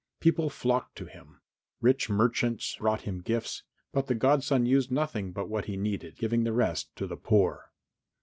People flocked to him. Rich merchants brought him gifts, but the godson used nothing but what he needed, giving the rest to the poor.